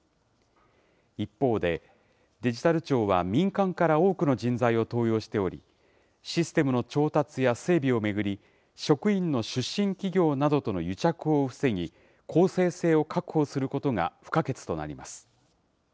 一方で、デジタル庁は民間から多くの人材を登用しており、システムの調達や整備を巡り、職員の出身企業などとの癒着を防ぎ、公正性を確保することが不可欠となります。